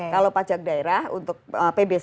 kalau pajak daerah untuk pbc